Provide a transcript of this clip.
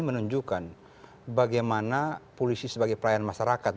menunjukkan bagaimana polisi sebagai pelayan masyarakat